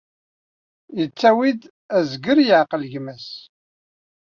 Yettawi-d: azger yeɛqel gma-s.